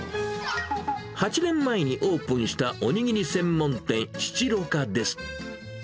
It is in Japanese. ８年前にオープンしたおにぎり専門店、シチロカです。